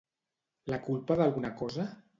La culpa d'alguna cosa?